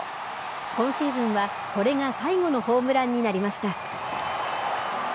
今シーズンはこれが最後のホームランになりました。